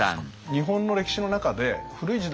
日本の歴史の中で古い時代